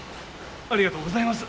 ありがとうございます！